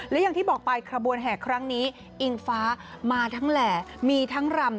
และอย่างที่บอกไปขบวนแห่ครั้งนี้อิงฟ้ามาทั้งแหล่มีทั้งรำ